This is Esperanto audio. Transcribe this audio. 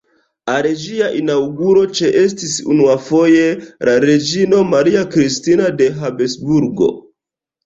Al ĝia inaŭguro ĉeestis unuafoje la reĝino Maria Kristina de Habsburgo.